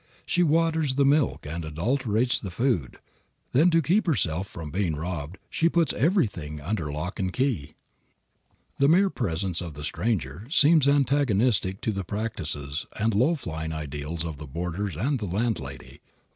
She waters the milk and adulterates the food. Then to keep herself from being robbed she puts everything under lock and key. The mere presence of the Stranger seems antagonistic to the practices and low flying ideals of the boarders and the landlady.